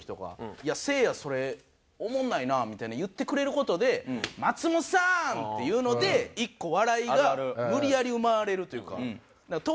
「いやせいやそれおもんないな」みたいなの言ってくれる事で「松本さん！」っていうので１個笑いが無理やり生まれるというか。